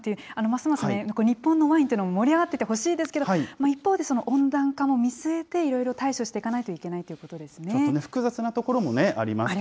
北海道でもワインって、ますます日本のワインというのも盛り上がっていってほしいですけど、一方で、その温暖化も見据えて、いろいろ対処していかないといけないということですね。